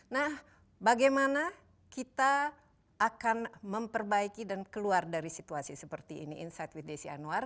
nah bagaimana kita akan memperbaiki dan keluar dari situasi seperti ini insight with desi anwar